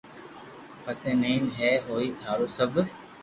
پسو ٺين ھي ھوئي ٿارو سب